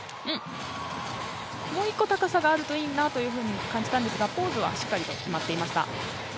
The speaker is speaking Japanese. もう１個、高さがあるといいなと感じたんですがポーズはしっかりと決まっていました。